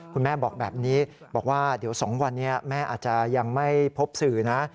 คุณแม่บอกแบบนี้บอกว่าเดี๋ยว๒วันนี้แม่อาจจะยังไม่พบสื่อนะ